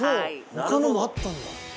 「他のもあったんだ」